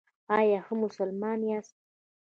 ایا ښه مسلمان یاست؟